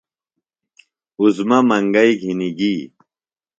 عظمیٰ منگئی گِھنیۡ گی۔